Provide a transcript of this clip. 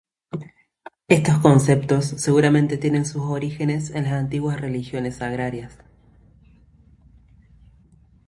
Estos conceptos seguramente tienen sus orígenes en las antiguas religiones agrarias.